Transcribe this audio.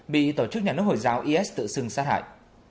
bị tổ chức nhà nước hồi giáo is tự xưng sát hại